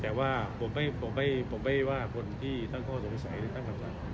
แต่ว่าผมไม่ว่าคนที่ตั้งข้อสงสัยหรือตั้งคำถาม